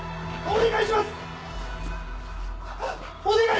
お願いします！